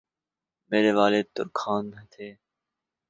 میرے والد ترکھان تھے